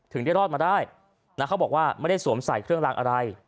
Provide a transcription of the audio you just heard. ถึงได้รอดมาได้นะเขาบอกว่าไม่ได้สวมใส่เครื่องลางอะไร